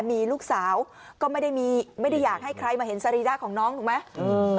มีลูกสาวก็ไม่ได้มีไม่ได้อยากให้ใครมาเห็นสรีระของน้องถูกไหม